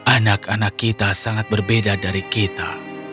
anak anak kita sangat berbeda dari kita